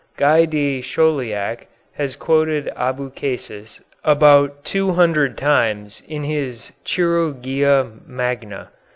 Guy de Chauliac has quoted Albucasis about two hundred times in his "Chirurgia Magna."